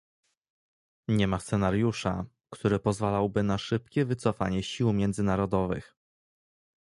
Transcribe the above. Nie ma scenariusza, który pozwalałby na szybkie wycofanie sił międzynarodowych